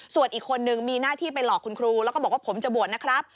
ส่วนอีกคนนึงมีหน้าที่ไปหลอกคุณครูแล้วก็บอกว่าผมจะบวชนะครับ